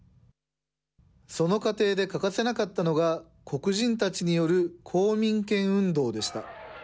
その過程で欠かせなかったのが、黒人たちによる公民権運動でした。